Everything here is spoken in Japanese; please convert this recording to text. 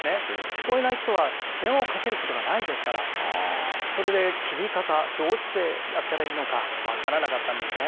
聞こえない人は、電話をかけることがないですから、それで切り方、どうしてやったらいいのか、分からなかったんですね。